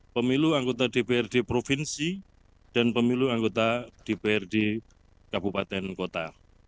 pemilu anggota dprd provinsi dan pemilu anggota dprd kabupaten kota